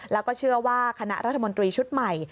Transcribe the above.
แล้วก็เชื่อว่าคณะรัฐมนตรีชุดใหม่